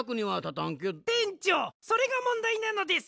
てんちょうそれがもんだいなのです！